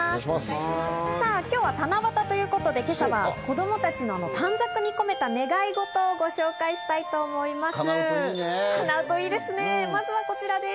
今日は七夕ということで今朝は、子供たちの短冊に込めたねがいことをご紹介したいと思います。